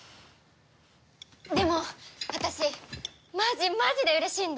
でも私マジマジでうれしいんだ！